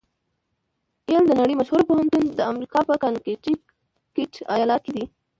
یل د نړۍ مشهوره پوهنتون د امریکا په کنېکټیکیټ ایالات کې ده.